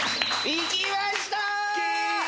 行きました！